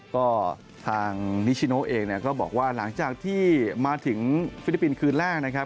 ก็ทางนิชิโนเองเนี่ยก็บอกว่าหลังจากที่มาถึงฟิลิปปินส์คืนแรกนะครับ